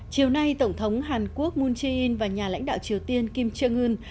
chiều nay tổng thống hàn quốc moon jae in và nhà lãnh đạo triều tiên kim jong un